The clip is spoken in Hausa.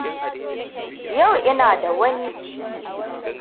Yau ina da wani.